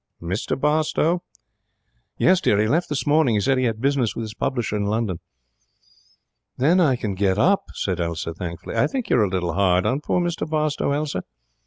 'Mr Barstowe?' 'Yes, dear. He left this morning. He said he had business with his publisher in London.' 'Then I can get up,' said Elsa, thankfully. 'I think you're a little hard on poor Mr Barstowe, Elsa.